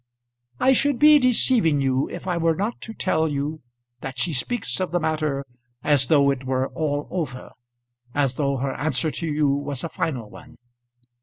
"I should be deceiving you if I were not to tell you that she speaks of the matter as though it were all over, as though her answer to you was a final one."